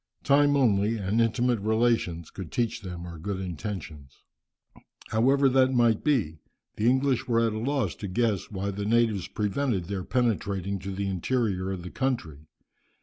Time only, and intimate relations, could teach them our good intentions." However that might be, the English were at a loss to guess why the natives prevented their penetrating to the interior of the country.